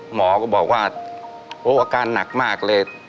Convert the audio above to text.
หมอก็บอกว่าโอ้อาการหนักมากเลย